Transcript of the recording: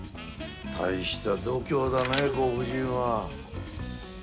大した度胸だね、ご婦人は。